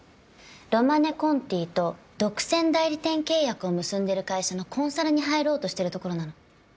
ロマネ・コンティと独占代理店契約を結んでる会社のコンサルに入ろうとしてるところなの。